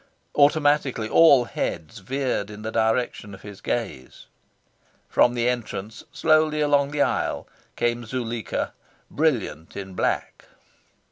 Automatically, all heads veered in the direction of his gaze. From the entrance, slowly along the aisle, came Zuleika, brilliant in black.